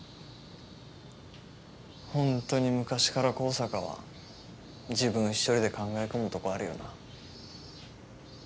本当に昔から向坂は自分一人で考え込むとこあるよな。